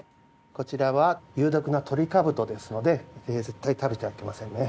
こちらは有毒なトリカブトですので絶対食べてはいけませんね。